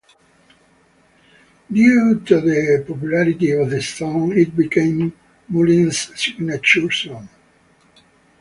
Due to the popularity of the song it became Mullins' signature song.